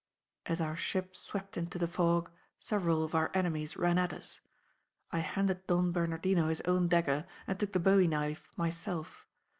As our ship swept into the fog, several of our enemies ran at us. I handed Don Bernardino his own dagger and took the bowie knife myself.